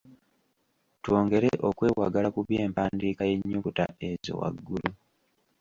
Twongere okwewagala ku by'empandiika y'ennyukuta ezo waggulu.